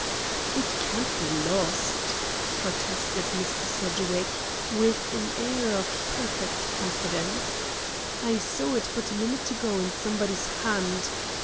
"It can't be lost," protested Mr. Sedgwick, with an air of perfect confidence. "I saw it but a minute ago in somebody's hand.